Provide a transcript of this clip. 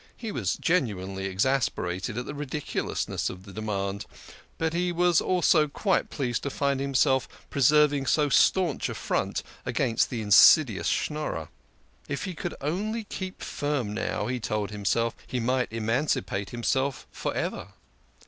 He was genuinely exasperated at the ridiculousness of the demand, but he was also pleased to find himself preserving so staunch a front against the insidious Schnorrer. If THE KING OF SCHNORRERS. 153 he could only keep firm now, he told himself, he might emancipate himself for ever.